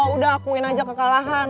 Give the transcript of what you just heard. udah akuin aja kekalahan